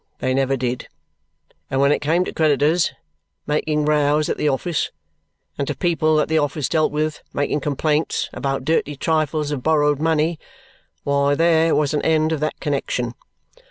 They never did. And when it came to creditors making rows at the office and to people that the office dealt with making complaints about dirty trifles of borrowed money, why there was an end of that connexion.